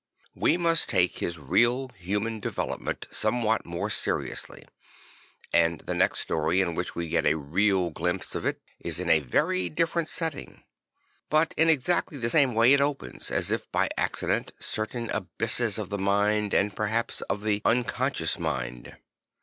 We must take his real human development somewhat more seriously; and the next story in which we get a real glimpse of it is in a very different setting. But in exactly the same way it opens, as if by accident, certain abysses of the mind and perhaps of the uncon scious mind.